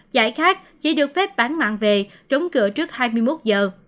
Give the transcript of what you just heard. giải khác chỉ được phép bán mạng về đóng cửa trước hai mươi một giờ